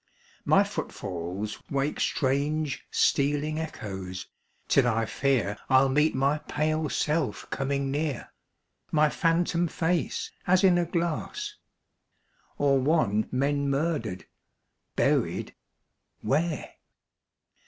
My footfalls wake Strange stealing echoes, till I fear I'll meet my pale self coming near; My phantom face as in a glass; Or one men murdered, buried where?